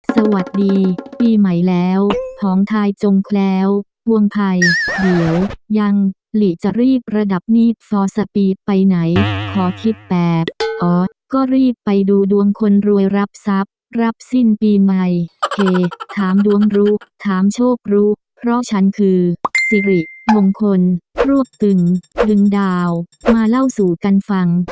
สวัสดีปีใหม่แล้วผองทายจงแคล้วพวงภัยเดี๋ยวยังหลีจะรีบระดับนี่ฟอร์สปีดไปไหนขอคิดแบบออสก็รีบไปดูดวงคนรวยรับทรัพย์รับสิ้นปีใหม่เคถามดวงรู้ถามโชครู้เพราะฉันคือสิริมงคลรวบตึงดึงดาวมาเล่าสู่กันฟัง